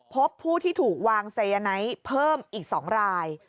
พบผู้ที่ถูกวางไซยาไนท์เพิ่มอีก๒ราย